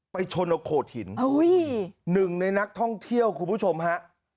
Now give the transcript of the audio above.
ชนเอาโขดหินหนึ่งในนักท่องเที่ยวคุณผู้ชมฮะ